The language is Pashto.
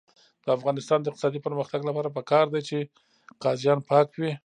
د افغانستان د اقتصادي پرمختګ لپاره پکار ده چې قاضیان پاک وي.